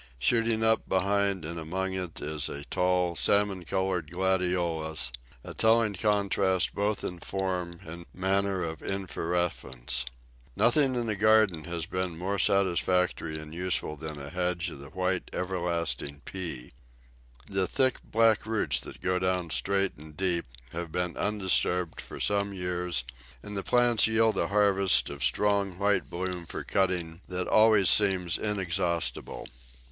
Shooting up behind and among it is a tall, salmon coloured Gladiolus, a telling contrast both in form and manner of inflorescence. Nothing in the garden has been more satisfactory and useful than a hedge of the white everlasting Pea. The thick, black roots that go down straight and deep have been undisturbed for some years, and the plants yield a harvest of strong white bloom for cutting that always seems inexhaustible.